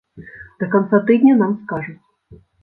Да канца тыдня нам скажуць.